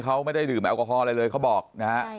เขาไม่ได้ดื่มแอลกอฮอลอะไรเลยเขาบอกนะฮะ